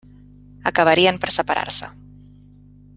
Acabarien per separar-se.